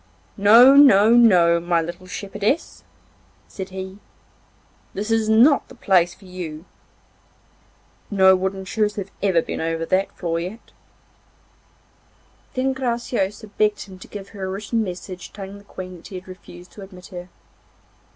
'No, no, my little shepherdess,' said he, 'that is not the place for you. No wooden shoes have ever been over that floor yet.' Then Graciosa begged him to give her a written message telling the Queen that he had refused to admit her.